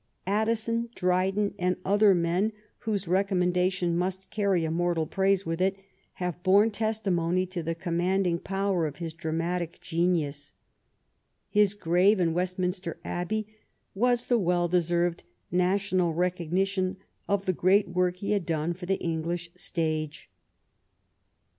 Addison, Dryden, and other men whose recommendation must carry immortal praise with it, have borne testimony to the commanding power of his dramatic genius. His grave, in Westminster Abbey, was the well deserved national recognition of the great work he had done for the English stage.